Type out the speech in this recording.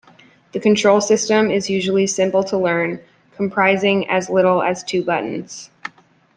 The control system is usually simple to learn, comprising as little as two buttons.